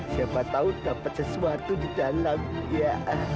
siapa tahu dapat sesuatu di dalam ya